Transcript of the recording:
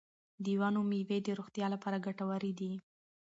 د ونو میوې د روغتیا لپاره ګټورې دي.